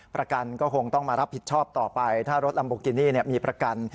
ประกันก็คงต้องมารับผิดชอบต่อไปถ้ารถลัมโบกินี่มีประกัน